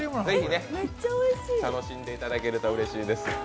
ぜひ楽しんでいただけるとうれしいです。